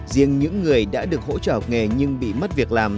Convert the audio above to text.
riêng những người đã được hỗ trợ nghề nhưng bị mất việc làm